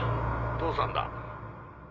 父さんだ」